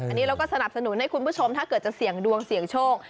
อันนี้เราก็สนับสนุนให้คุณผู้ชมถ้าเกิดจะเสี่ยงดวงเสี่ยงโชค